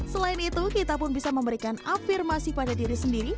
selain itu kita pun bisa memberikan afirmasi pada diri sendiri